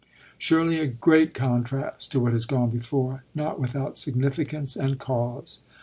Surely a great contrast to what has gone before, not without significance and cause!